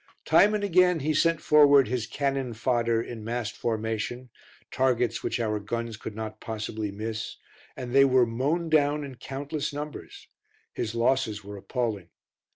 Time and again he sent forward his "cannon fodder" in massed formation targets which our guns could not possibly miss and they were mown down in countless numbers; his losses were appalling.